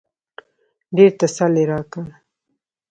ډېر تسل يې راکړ.